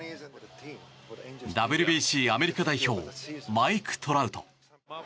ＷＢＣアメリカ代表マイク・トラウト。